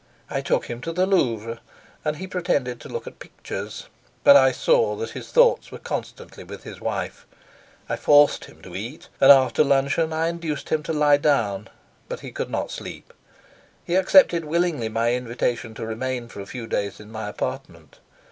I took him to the Louvre, and he pretended to look at pictures, but I saw that his thoughts were constantly with his wife. I forced him to eat, and after luncheon I induced him to lie down, but he could not sleep. He accepted willingly my invitation to remain for a few days in my apartment.